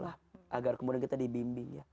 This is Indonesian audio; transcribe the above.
agar kemudian kita dibimbing ya